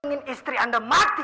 istri anda mati